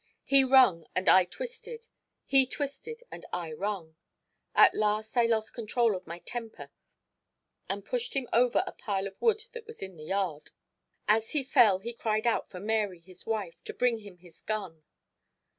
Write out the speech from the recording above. He wrung and I twisted; he twisted and I wrung. At last I lost control of my temper and pushed him over a pile of wood that was in the yard. As he fell he cried out for Mary, his wife, to bring him his gun.